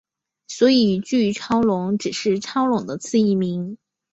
所以巨超龙只是超龙的次异名。